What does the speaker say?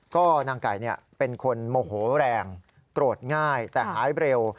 ก็นางไก่เป็นคนโมโหแรงโกรธง่ายแต่หายเร็ว